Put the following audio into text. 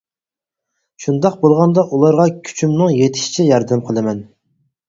شۇنداق بولغاندا ئۇلارغا كۈچۈمنىڭ يىتىشىچە ياردەم قىلىمەن.